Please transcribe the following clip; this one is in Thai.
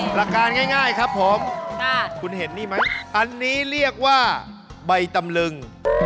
ประการง่ายครับผมคุณเห็นนี่ไหมอันนี้เรียกว่าใบตำลึง